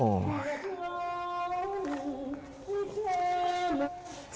โอ๊ย